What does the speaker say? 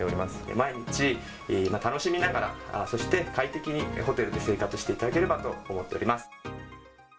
毎日、楽しみながら、そして快適にホテルで生活していただければと思っております。